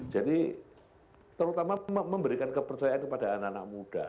jadi terutama memberikan kepercayaan kepada anak anak muda